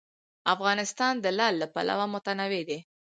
افغانستان د لعل له پلوه متنوع دی.